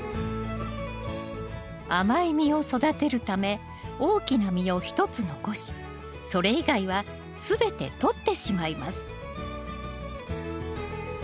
甘い実を育てるため大きな実を１つ残しそれ以外はすべてとってしまいます